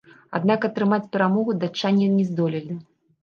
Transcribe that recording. Аднак атрымаць перамогу датчане не здолелі.